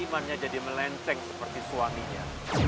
imannya jadi melenceng seperti suaminya